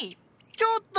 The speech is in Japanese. ちょっと！